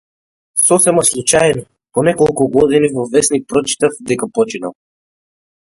Сосема случајно, по неколку години, во весник прочитав дека починал.